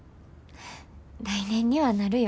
来年にはなるよ。